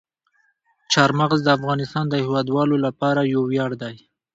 چار مغز د افغانستان د هیوادوالو لپاره یو ویاړ دی.